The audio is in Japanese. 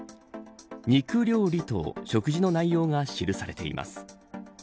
肉料理、と食事の内容が記されています。